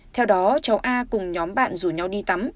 theo đó cháu a cùng nhóm bạn rủ nhau đi tắm